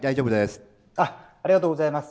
ありがとうございます。